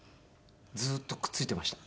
ずっとくっついてました。